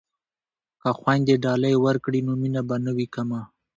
که خویندې ډالۍ ورکړي نو مینه به نه وي کمه.